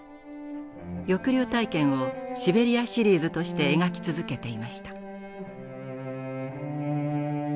抑留体験を「シベリア・シリーズ」として描き続けていました。